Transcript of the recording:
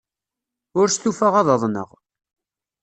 Ur stufaɣ ad aḍneɣ.